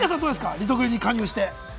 リトグリに加入して。